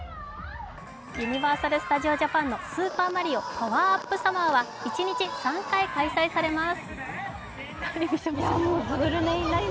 ユニバーサル・スタジオ・ジャパンのスーパーマリオ・パワーアップ・サマーは一日３回開催されます。